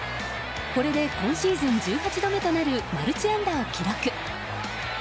これで今シーズン１８度目となるマルチ安打を記録。